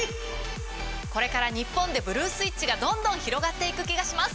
これから日本でブルー・スイッチがどんどん広がっていく気がします